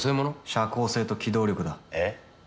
社交性と機動力だ。えっ？